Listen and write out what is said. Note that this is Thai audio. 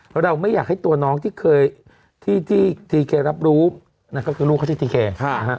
เราไม่อยากให้ตัวน้องที่เคยที่ทีแคร์รับรู้ลูกเขาที่ทีแคร์